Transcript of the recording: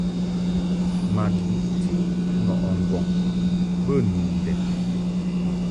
Ma duʼti nɔʼɨ ŋgɔŋ be nu ndɛn.